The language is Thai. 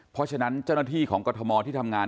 เพราะฉะนั้นเจ้าหน้าที่ของกรทมที่ทำงาน